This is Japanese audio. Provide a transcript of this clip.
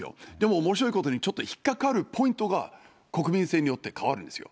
おもしろいことに、ちょっと引っ掛かるポイントが、国民性によって変わるんですよ。